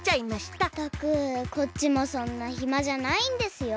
ったくこっちもそんなひまじゃないんですよ。